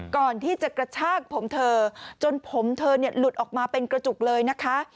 ก่อนที่จะกระชากผมเธอจนผมเธอหลุดออกมาเป็นกระจุกเลยนะคะ